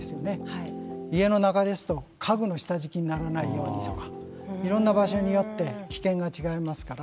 家の中ですと家具の下敷きにならないようにとかいろんな場所によって危険が違いますから。